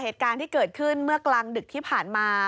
เหตุการณ์ที่เกิดขึ้นเมื่อกลางดึกที่ผ่านมา